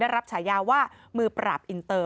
รับฉายาว่ามือปราบอินเตอร์